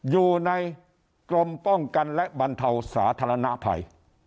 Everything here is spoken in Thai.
อยู่ในกรมป้องกันและบรรเทาสาธารณภัย